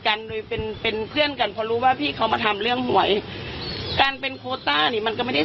แล้วต้องทั้งบอกเราก็ขอพี่เขาเลยยอมแล้วว่าพี่ก็ดูหนูบ้างนะ